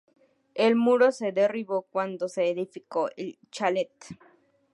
El muro se derribó cuando se edificó el chalet.